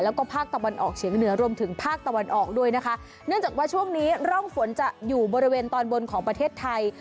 แล้วก็ภาคตะวันออกเฉียงเหนือรวมถึงภาคตะวันออกด้วยนะคะเนื่องจากว่าช่วงนี้ร่องฝนจะอยู่บริเวณตอนบนของประเทศไทย